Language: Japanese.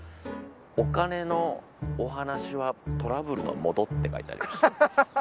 お金のお話はトラブルのもとって書いてありました。